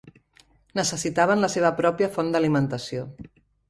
Necessitaven la seva pròpia font d'alimentació.